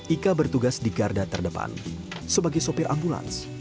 ika bertugas di garda terdepan sebagai sopir ambulans